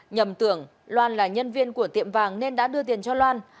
nhầm tưởng loan là nhân viên của tiệm vàng nên đã đưa tiền cho loan